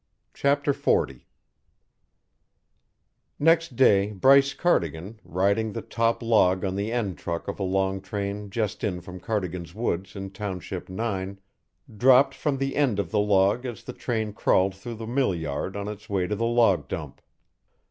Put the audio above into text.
CHAPTER XL Next day Bryce Cardigan, riding the top log on the end truck of a long train just in from Cardigan's woods in Township Nine, dropped from the end of the log as the train crawled through the mill yard on its way to the log dump.